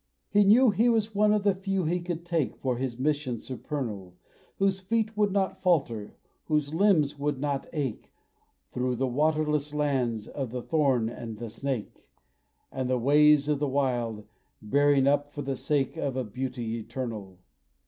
He knew he was one of the few He could take For His mission supernal, Whose feet would not falter, whose limbs would not ache, Through the waterless lands of the thorn and the snake, And the ways of the wild bearing up for the sake Of a Beauty eternal.